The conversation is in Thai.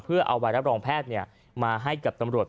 เพื่อเอาใบรับรองแพทย์มาให้กับตำรวจ